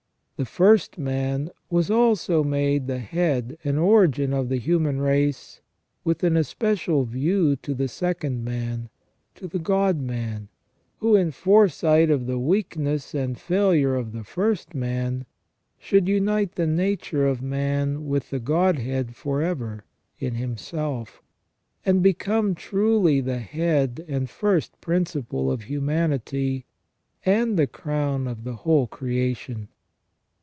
The first man was also made the head and origin of the human race with an especial view to the second man, to the God man, who, in fore sight of the weakness and failure of the first man, should unite the nature of man with the Godhead for ever in Himself, and become CREATION AND PROVIDENCE. 95 truly the head and first principle of humanity, and the crown of the whole creation.